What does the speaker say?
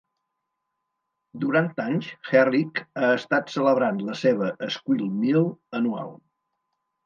Durant anys Herrick ha estat celebrant la seva Squeal Meal anual.